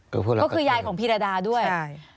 ก็คือยายของพีรดาด้วย